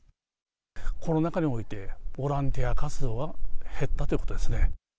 コロナ禍において、ボランティア活動が減ったということですね。